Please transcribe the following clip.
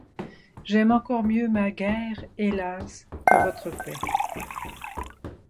J'aime encore mieux ma guerre, hélas, que votre paix.